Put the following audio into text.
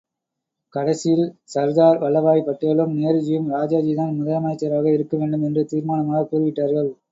கடைசியில் சர்தார் வல்லபாய்படேலும், நேருஜியும் ராஜாஜிதான் முதலமைச்சராக இருக்க வேண்டும் என்று தீர்மானமாகக் கூறிவிட்டார்கள்.